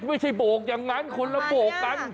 ไม่ใช่โบกอย่างนั้นคนละโบกกัน